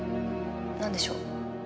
何でしょう？